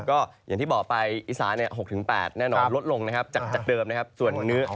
ก็อย่างที่บอกไปอิสาน๖๘องศาเซียตแน่นอนจะล้วนมันรวดลงจากรวมเตือน